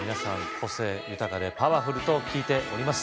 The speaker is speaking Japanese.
個性豊かでパワフルと聞いております